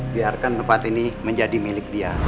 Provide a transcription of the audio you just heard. biarkan tempat ini menjadi milik dia